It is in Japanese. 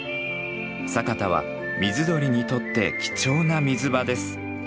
佐潟は水鳥にとって貴重な水場です。